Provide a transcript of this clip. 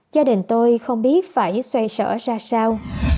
gia đình tôi không biết phải xoay sở ra sao